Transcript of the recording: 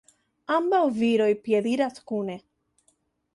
Ambaŭ viroj piediras kune.